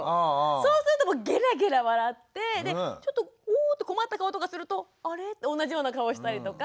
そうするとゲラゲラ笑ってでちょっと困った顔とかするとあれ？って同じような顔したりとか。